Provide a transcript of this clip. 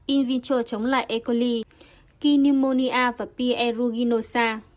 in vitro chống lại e coli kinemonia và p eruginosa